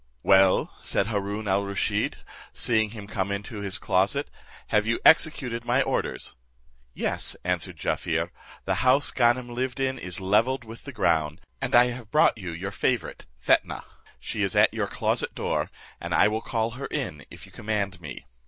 "Well," said Haroon al Rusheed, seeing him come into his closet, "have you executed my orders?" "Yes," answered Jaaffier "the house Ganem lived in is levelled with the ground, and I have brought you your favourite Fetnah; she is at your closet door, and I will call her in, if you command me.